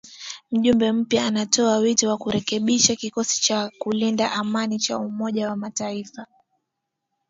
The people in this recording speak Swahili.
Mjumbe mpya anatoa wito wa kurekebishwa kikosi cha kulinda amani cha umoja wa mataifa